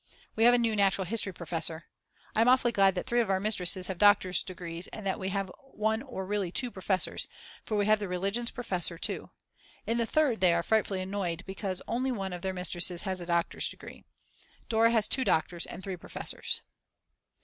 We have a new natural history professor. I'm awfully glad that three of our mistresses have doctors degrees and that we have one or really 2 professors, for we have the Religionsprofessor too. In the Third they are frightfully annoyed because only one of their mistresses has a doctor's degree. Dora has 2 doctors and three professors.